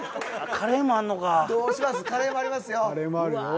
カレーもあるよ。